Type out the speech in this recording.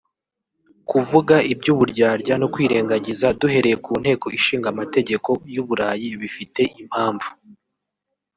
Kuvuga iby’uburyarya no kwirengagiza duhereye ku Nteko Ishinga Amategeko y’u Burayi bifite impamvu